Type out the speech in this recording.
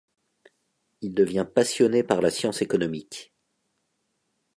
Il devient passionné par la science économique.